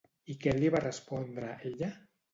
I què li va respondre, ella?